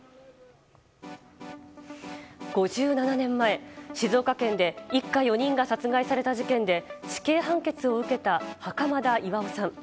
５７年前、静岡県で一家４人が殺害された事件で死刑判決を受けた袴田巌さん。